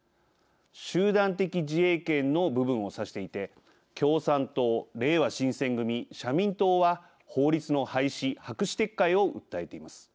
集団的自衛権の部分を指していて共産党、れいわ新選組、社民党は法律の廃止・白紙撤回を訴えています。